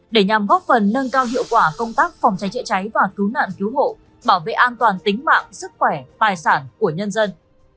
để nhằm góp phần nâng cao hiệu quả công tác phòng cháy chữa cháy và cứu nạn cứu hộ bảo vệ an toàn tính mạng sức khỏe tài sản của nhân dân